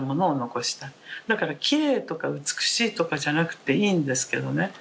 だからきれいとか美しいとかじゃなくていいんですけどね。